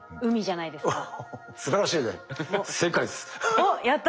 おお。おっやった。